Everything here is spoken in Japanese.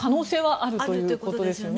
あるということですね。